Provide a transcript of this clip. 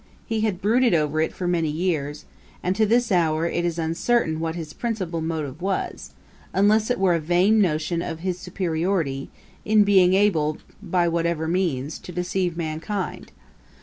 He had brooded over it for many years: and to this hour it is uncertain what his principal motive was, unless it were a vain notion of his superiority, in being able, by whatever means, to deceive mankind.